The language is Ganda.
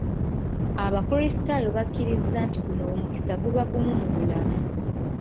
Abakrisitaayo bakkiriza nti guno omukisa guba gumu mu bulamu.